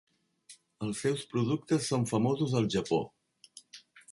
Els seus productes són famosos al Japó.